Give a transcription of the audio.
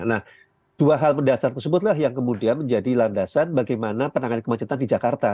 nah dua hal mendasar tersebutlah yang kemudian menjadi landasan bagaimana penanganan kemacetan di jakarta